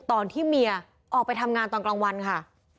ตอนที่เมียออกไปทำงานตอนกลางวันค่ะ